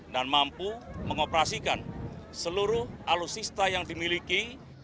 dan mampu mengoperasikan seluruh alusista yang dimiliki